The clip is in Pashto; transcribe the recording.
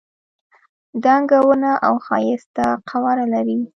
دنګه ونه او ښایسته قواره لري.